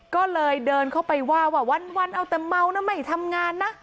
ก็เลยเดินเข้าไปว่าว่าวันเอาแต่เมานะไม่ทำงานนะ